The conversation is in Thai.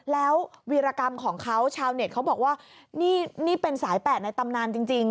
แล้ววีรกรรมของเขาชาวเน็ตเขาบอกว่านี่เป็นสายแปดในตำนานจริง